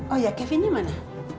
oh iya kevin dimana